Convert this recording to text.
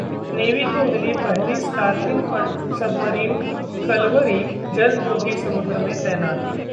navy को मिली पहली स्कार्पीन सबमरीन कलवरी, जल्द होगी समुद्र में तैनाती